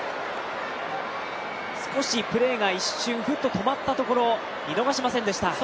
少しプレーが一瞬ふっと止まったところを見逃しませんでした！